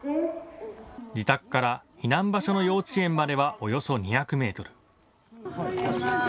自宅から避難場所の幼稚園まではおよそ２００メートル。